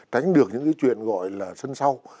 tránh được những cái chuyện gọi là sân sâu